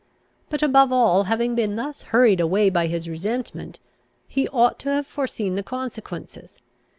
But above all, having been thus hurried away by his resentment, he ought to have foreseen the consequences.